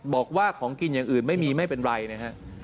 บอกว่าของกินอย่างอื่นไม่เป็นไรนะครับ